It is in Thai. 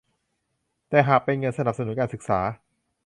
แต่หากเป็นเงินสนับสนุนการศึกษา